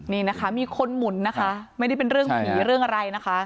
นี่นะคะมีคนหมุนนะคะไม่ได้เป็นเรื่องผีเรื่องอะไรนะคะ